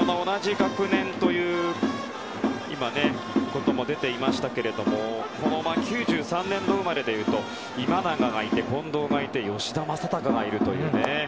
同じ学年ということも出ていましたけれども９３年度生まれでいうと今永がいて、近藤がいて吉田正尚がいるというね。